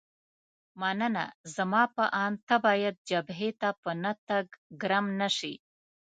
مننه، زما په اند ته باید جبهې ته په نه تګ ګرم نه شې.